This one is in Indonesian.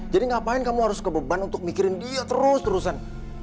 jadi ngapain kamu harus kebeban untuk mikirin dia terus terusan